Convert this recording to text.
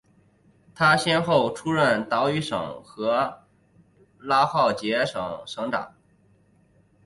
他先后出任岛屿省和拉赫杰省省长。